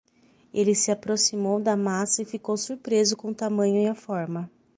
Ele se aproximou da massa e ficou surpreso com o tamanho e a forma.